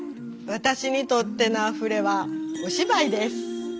私にとっての「あふれ」はおっお芝居？